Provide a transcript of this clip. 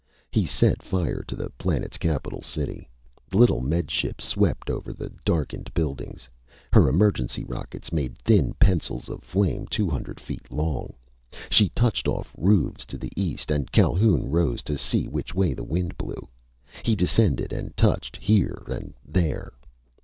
He set fire to the planet's capital city. The little Med Ship swept over the darkened buildings. Her emergency rockets made thin pencils of flame two hundred feet long. She touched off roofs to the east, and Calhoun rose to see which way the wind blew. He descended and touched here and there....